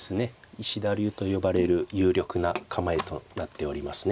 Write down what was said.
石田流と呼ばれる有力な構えとなっておりますね。